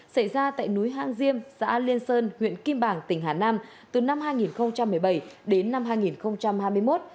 xảy ra tại núi hăng diêm xã liên sơn huyện kim bảng tỉnh hà nam từ năm hai nghìn một mươi bảy đến năm hai nghìn hai mươi một